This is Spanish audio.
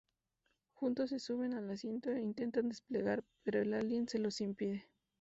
Juntos se suben al asiento e intentan despegar, pero el alien se los impide.